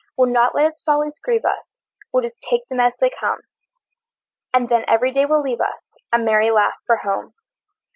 We'll not let its follies grieve us, We'll just take them as they come; And then every day will leave us A merry laugh for home.